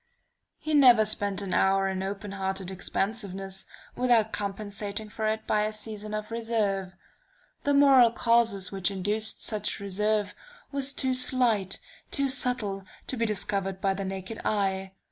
"He never spent an hour in open hearted expansiveness, without compensating for it by a season of reserve. The moral causes which induced such reserve were too slight, too subtle, to be discovered by the naked eye.